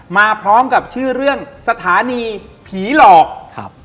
มาพร้อมกับชื่อเรื่องสถานีผีหลอกครับ